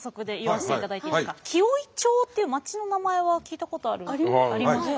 紀尾井町っていう町の名前は聞いたことがありますかね。